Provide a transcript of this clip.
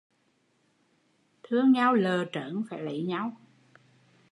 Thương nhau lợ trớn phải lấy nhau